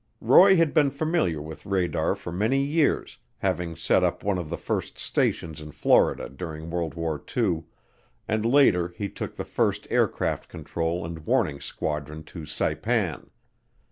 Roy had been familiar with radar for many years, having set up one of the first stations in Florida during World War II, and later he took the first aircraft control and warning squadron to Saipan.